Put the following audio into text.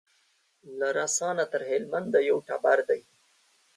له رسا نه تر هلمند یو ټبر دی